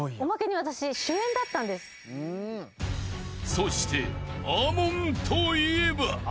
［そして亞門といえば］